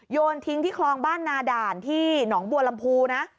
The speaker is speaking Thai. โยนทิ้งที่คลองบ้านนาด่านที่หนองบัวลำพูนะ